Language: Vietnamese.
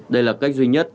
đây là cách duy nhất